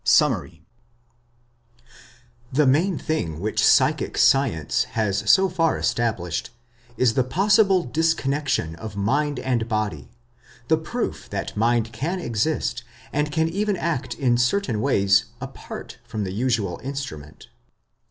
Psychic Science 598 8 Summary The main thing which psychic science has so far established is the possible disconnection of mind and body, the proof that mind can exist, and can even act in certain ways, apart from the usual instrument.